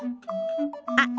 あっ